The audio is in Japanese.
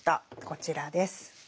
こちらです。